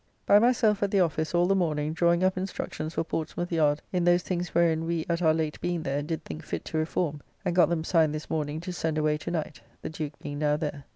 By myself at the office all the morning drawing up instructions for Portsmouth yard in those things wherein we at our late being there did think fit to reform, and got them signed this morning to send away to night, the Duke being now there.